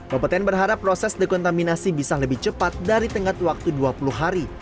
kompeten berharap proses dekontaminasi bisa lebih cepat dari tenggat waktu dua puluh hari